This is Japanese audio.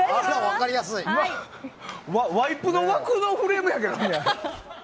ワイプの枠のフレームやけど。